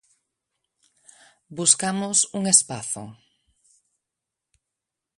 Buscamos un espazo.